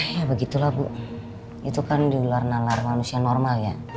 ya begitulah bu itu kan di luar nalar manusia normal ya